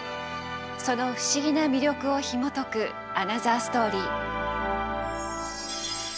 その不思議な魅力をひもとくアナザーストーリー。